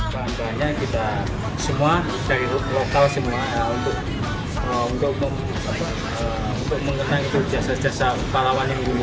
bahannya kita semua dari lokal semua untuk mengenai jasa jasa pahlawan yang guru